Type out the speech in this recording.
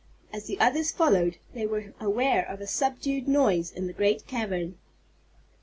As the others followed they were aware of a subdued noise in the great cavern.